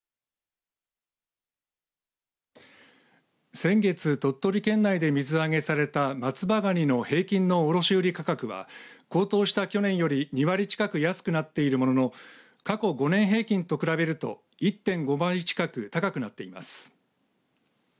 先月、鳥取県内で水揚げされた松葉がにの平均の卸売価格は高騰した去年より２割近く安くなっているものの過去５年平均と比べると１．５倍近く高くなっています。